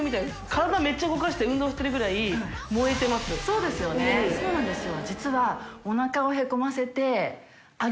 そうですよねそうなんですよ。